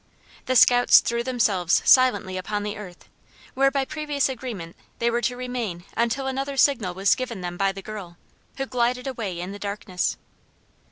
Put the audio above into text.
The scouts threw themselves silently upon the earth, where by previous agreement they were to remain until another signal was given them by the girl, who glided away in the darkness.